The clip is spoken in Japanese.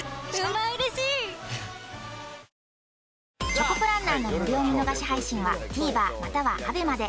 『チョコプランナー』の無料見逃し配信は ＴＶｅｒ または ＡＢＥＭＡ で